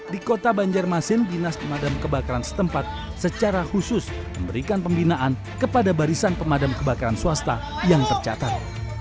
di kota banjarmasin dinas pemadam kebakaran setempat secara khusus memberikan pembinaan kepada barisan pemadam kebakaran swasta yang tercatat